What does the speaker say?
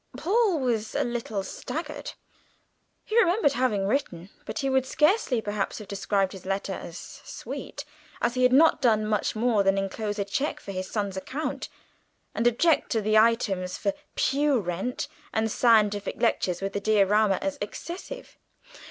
Paul was a little staggered. He remembered having written, but he would scarcely perhaps have described his letter as "sweet," as he had not done much more than enclose a cheque for his son's account and object to the items for pew rent and scientific lectures with the diorama as excessive.